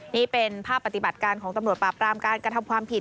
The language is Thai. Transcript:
นี่เป็นภาพปฏิบัติการของตำรวจปราบรามการกระทำความผิด